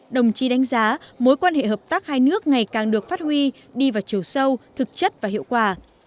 đồng chí đánh giá mối quan hệ hợp tác hai nước ngày càng được phát huy đi vào chiều sâu thực chất và hiệu quả